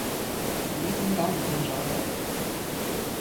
咦點解唔見咗嘅